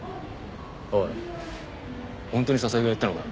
おい本当に笹井がやったのか？